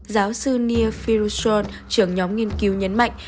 giáo sư neil firushon trưởng nhóm nghiên cứu nhấn mạnh